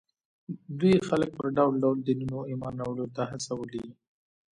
دوی خلک پر ډول ډول دینونو ایمان راوړلو ته هڅولي